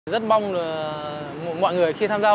rất mong mọi người khi tham gia